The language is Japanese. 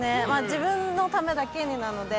自分のためだけになので、